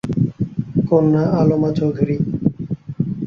কন্যা আলমা চৌধুরী।